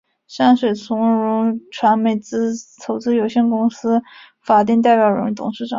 山水从容传媒投资有限公司法定代表人、董事长